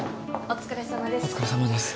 お疲れさまです。